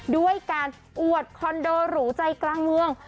ด้วยการอวดคอนโดหรูใจกลางเมือง